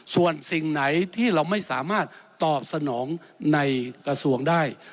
ส่วนสิ่งไหนที่เราไม่สามารถตอบสนองในกระทรวงได้